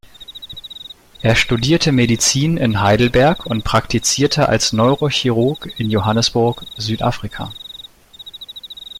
Er studierte Medizin in Heidelberg und praktizierte als Neurochirurg in Johannesburg, Südafrika.